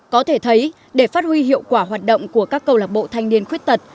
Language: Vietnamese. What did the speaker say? có thể thấy để phát huy hiệu quả hoạt động của các công lộc bộ thanh niên khuyết tật